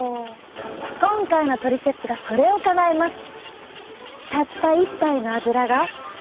今回のトリセツがそれをかなえます。